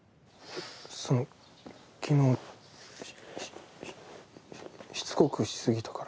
その昨日しししつこくし過ぎたから。